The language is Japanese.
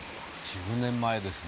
１０年前ですね